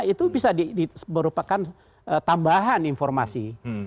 itu bisa merupakan tambahan informasi